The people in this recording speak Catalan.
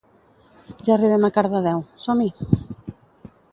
Ja arribem a Cardedeu, som-hi!